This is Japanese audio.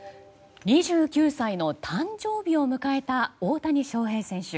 ２９歳の誕生日を迎えた大谷翔平選手。